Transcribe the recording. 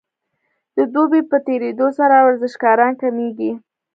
د دوبي په تیریدو سره ورزشکاران کمیږي